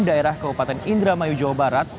daerah kabupaten indra mayu jawa barat